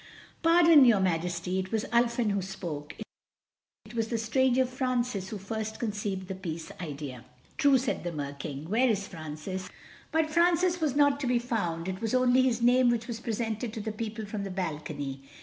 "Pardon, your Majesty"—it was Ulfin who spoke—"it was the stranger Francis who first conceived the Peace Idea." "True," said the Mer King, "where is Francis?" But Francis was not to be found; it was only his name which was presented to the people from the balcony.